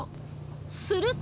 すると。